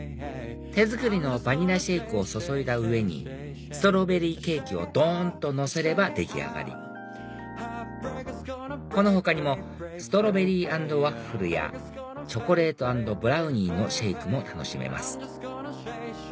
手作りのバニラシェイクを注いだ上にストロベリーケーキをどん！とのせれば出来上がりこの他にもストロベリー＆ワッフルやチョコレート＆ブラウニーのシェイクも楽しめます